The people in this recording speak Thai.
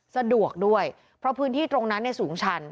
สะดวกด้วยเพราะพื้นที่ตรงนั้นสูงชัน